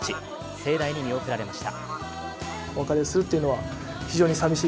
盛大に見送られました。